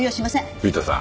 藤田さん